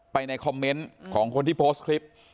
ในคอมเมนต์ของคนที่โพสต์คลิป